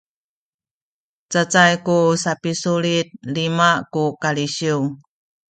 cacay ku sapisulit lima ku kalisiw